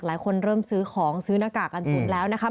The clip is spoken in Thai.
หลายคนเริ่มซื้อของซื้อนากากันสุดแล้วนะคะ